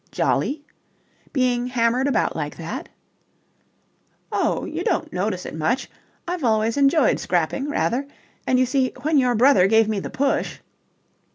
"Jolly? Being hammered about like that?" "Oh, you don't notice it much. I've always enjoyed scrapping rather. And, you see, when your brother gave me the push..."